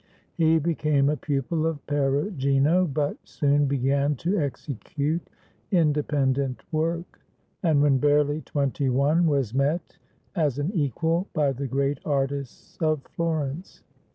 He became a pupil of Perugino, but soon began to execute independent work, and, when barely twenty one, was met as an equal by the great artists of Florence.